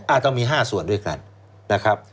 ต้องมี๕ส่วนด้วยกันนะครับ